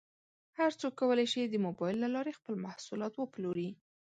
هر څوک کولی شي د مبایل له لارې خپل محصولات وپلوري.